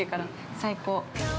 ◆最高！